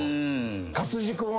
勝地君は？